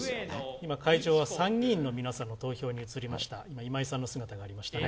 今、会場は参議院の皆さんの投票に移りました。